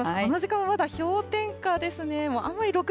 この時間はまだ氷点下ですね。